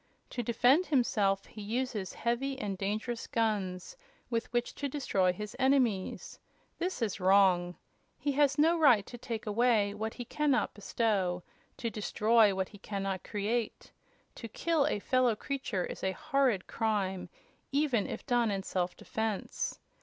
To defend himself he uses heavy and dangerous guns, with which to destroy his enemies. This is wrong. He has no right to take away what he can not bestow; to destroy what he can not create. To kill a fellow creature is a horrid crime, even if done in self defense.